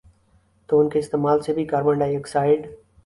تو ان کے استعمال سے بھی کاربن ڈائی آکسائیڈ